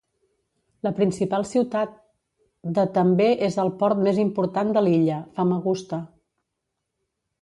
La principal ciutat de també és el port més important de l'illa, Famagusta.